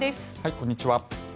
こんにちは。